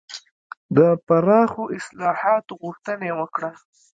د پراخو اصلاحاتو غوښتنه یې وکړه.